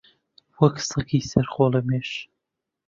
وەک سەگی سەر خۆڵەمێش